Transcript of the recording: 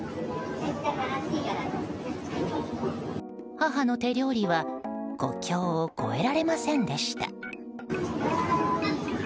母の手料理は国境を越えられませんでした。